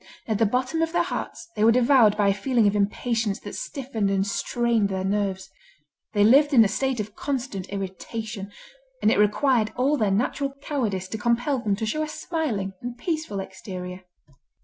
At the bottom of their hearts, they were devoured by a feeling of impatience that stiffened and strained their nerves. They lived in a state of constant irritation, and it required all their natural cowardice to compel them to show a smiling and peaceful exterior.